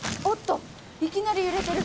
いきなり揺れてる！